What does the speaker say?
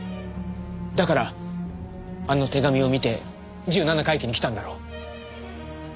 だからあの手紙を見て十七回忌に来たんだろう？